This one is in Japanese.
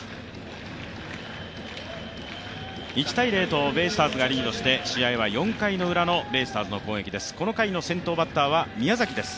１−０とベイスターズがリードして試合は４回のウラのベイスターズの攻撃です。